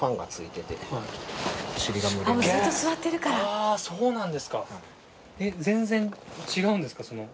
あぁそうなんですか。全然違うんですか？